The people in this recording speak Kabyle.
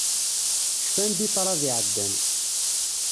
Cfan-d i ṭṭrad iɛeddan.